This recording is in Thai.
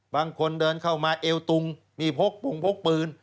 บางคนเดินเข้ามาเอวตุงมีพกปรุงพกปืน